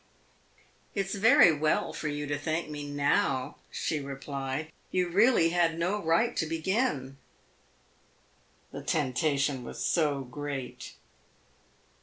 "It 's very well for you to thank me now," she replied. "You really had no right to begin." "The temptation was so great."